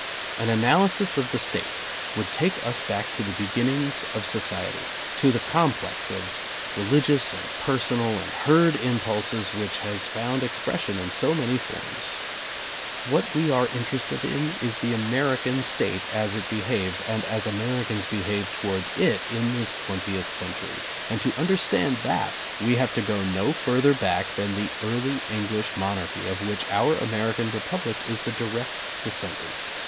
An analysis of the State would take us back to the beginnings of society, to the complex of re ligious and personal and herd impulses which has found expression in so many forms. What we are interested in is the American State as it be haves and as Americans behave towards it in this twentieth century, and to understand that, we have to go no further back than the early English monarchy of which our American republic is the direct descendant.